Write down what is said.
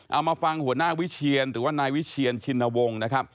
เอามาฟังหัวหน้าวิเชียนหรือว่านายวิเชียนชินวงศ์นะครับ